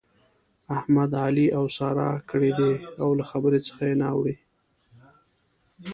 احمد؛ علي اوسار کړی دی او له خبرې څخه يې نه اوړي.